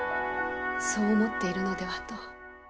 そう思っているのではと。